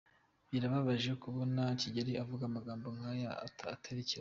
» birababaje kubona Kigeli avuga amagambo nkaya aterekeranye !